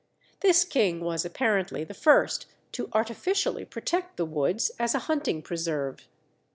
This king was apparently the first to artificially protect the woods as a hunting preserve.